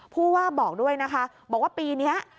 ผู้ว่าบอกด้วยนะคะบอกว่าปีนี้